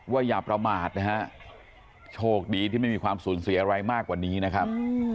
อย่าประมาทนะฮะโชคดีที่ไม่มีความสูญเสียอะไรมากกว่านี้นะครับ